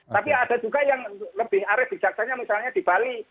tapi ada juga yang lebih arif bijaksanya misalnya di bali